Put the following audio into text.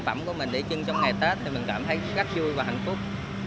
phẩm của mình để trưng trong ngày tết thì mình cảm thấy rất vui và hạnh phúc